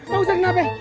bang ustadz kenapa